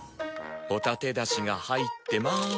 ホタテだしが入ってまーす。